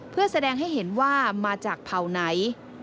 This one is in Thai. เพื่อแสดงให้เห็นว่ามาจากเผ่าไหน